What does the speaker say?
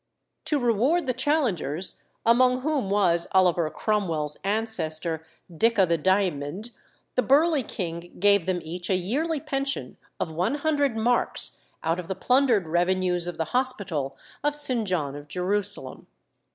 To reward the challengers, among whom was Oliver Cromwell's ancestor, Dick o' the Diamond, the burly king gave them each a yearly pension of one hundred marks out of the plundered revenues of the Hospital of St. John of Jerusalem.